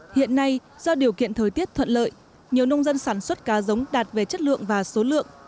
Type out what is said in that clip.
hiện nay do điều kiện thời tiết thuận lợi nhiều nông dân sản xuất cá giống đạt về chất lượng và số lượng